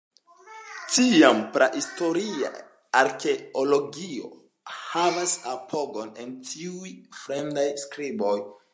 Tiam, prahistoria arkeologio havas apogon en tiuj fremdaj skriboj.